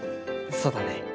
そうだね。